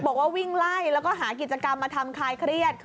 บอกว่าวิ่งไล่แล้วก็หากิจกรรมมาทำคลายเครียด